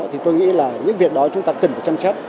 thì tôi nghĩ là những việc đó chúng ta cần phải xem xét